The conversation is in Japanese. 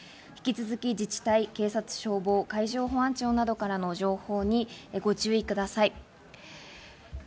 引き続き自治体、警察、消防、海上保安庁などからの情報にご注意ください。